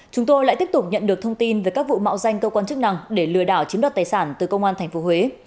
chúng tôi lại tiếp tục nhận được thông tin về các vụ mạo danh cơ quan chức năng để lừa đảo chiếm đoạt tài sản từ công an tp huế